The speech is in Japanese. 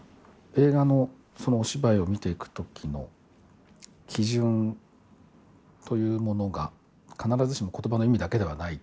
映画のお芝居を見ていくときの基準というものが必ずしもことばの意味だけではない。